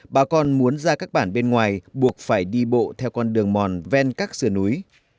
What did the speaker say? bà con muốn ra các bản bên ngoài buộc phải đi bộ theo con đường mòn ven các sườn núi